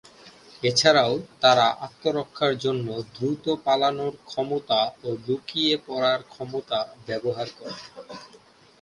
এছাড়াও তারা আত্মরক্ষার জন্য দ্রুত পালানোর ক্ষমতা ও লুকিয়ে পড়ার ক্ষমতা ব্যবহার করে।